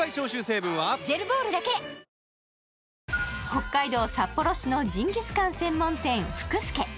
北海道札幌市のジンギスカン専門店ふくすけ